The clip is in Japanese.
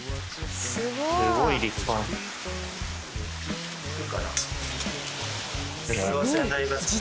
すごい立派な。